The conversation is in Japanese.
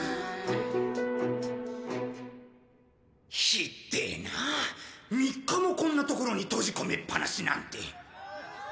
ひっでえなあ３日もこんな所に閉じ込めっぱなしなんて。